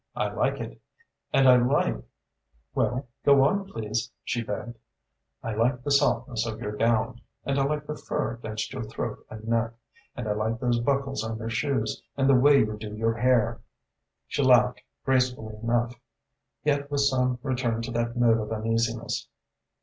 I like it. And I like " "Well, go on, please," she begged. "I like the softness of your gown, and I like the fur against your throat and neck, and I like those buckles on your shoes, and the way you do your hair." She laughed, gracefully enough, yet with some return to that note of uneasiness.